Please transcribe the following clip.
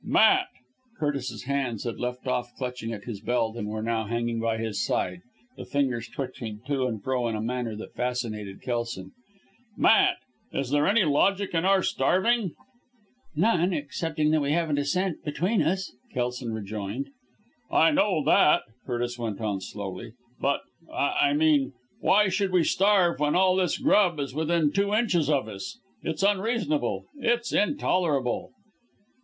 "Matt!" Curtis's hands had left off clutching at his belt and were now hanging by his side; the fingers twitching to and fro in a manner that fascinated Kelson. "Matt! Is there any logic in our starving?" "None, excepting that we haven't a cent between us!" Kelson rejoined. "I know that," Curtis went on slowly, "but I mean why should we starve when all this grub is within two inches of us! It's unreasonable it's intolerable."